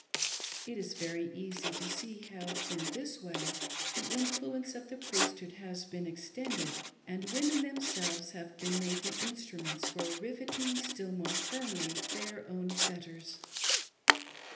It is very easy to see how in this way the influence of the Priest hood has been extended, and women themselves have been made the instruments for rivetting still more firmly their own fetters.